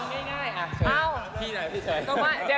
พี่ไหนพี่ชัย